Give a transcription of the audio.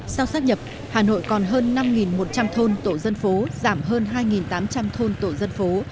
sau sát nhập hà nội còn hơn năm một trăm linh thôn tổ dân phố giảm hơn hai tám trăm linh thôn tổ dân phố